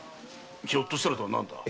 「ひょっとしたら」とは何だ？